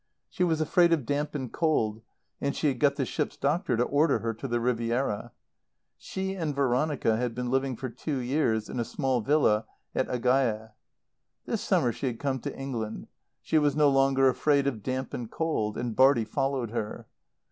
She was afraid of damp and cold, and she had got the ship's doctor to order her to the Riviera. She and Veronica had been living for two years in a small villa at Agaye. This summer she had come to England. She was no longer afraid of damp and cold. And Bartie followed her.